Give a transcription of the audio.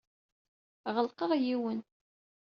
Ɣelqeɣ yiwen.